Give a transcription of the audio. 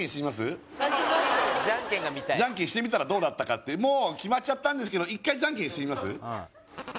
じゃんけんしてみたらどうなったかってもう決まっちゃったんですけど１回じゃんけんしてみます？